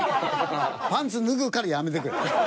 パンツ脱ぐからやめてくれ。